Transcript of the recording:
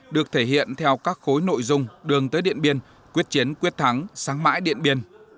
được thể hiện theo các khối nội dung đường tới điện biên quyết chiến quyết thắng sáng mãi điện biên